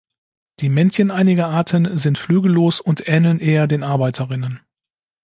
Die Männchen einiger Arten sind flügellos und ähneln eher den Arbeiterinnen.